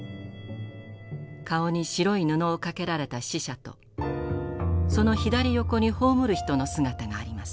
顔に白い布を掛けられた死者とその左横に葬る人の姿があります。